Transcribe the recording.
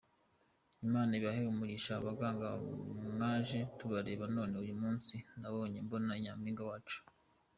Imana ibahe umugisha baganga mwaje tutareba none uyu munsi nababonye mbona na Nyampinga wacu.